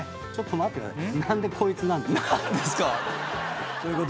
待ってくださいよ！